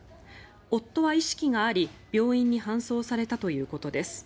夫は意識があり、病院に搬送されたということです。